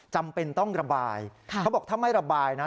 จำเป็นต้องระบายเขาบอกถ้าไม่ระบายนะ